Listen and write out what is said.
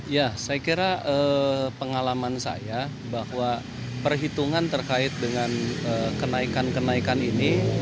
ya saya kira pengalaman saya bahwa perhitungan terkait dengan kenaikan kenaikan ini